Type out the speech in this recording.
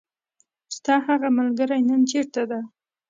ستاهغه ملګری نن چیرته ده .